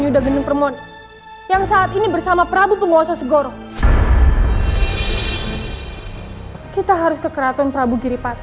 yudagenem permoni yang saat ini bersama prabu penguasa segoro segor kita harus kekeraton prabu